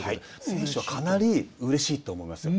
選手はかなりうれしいと思いますよ。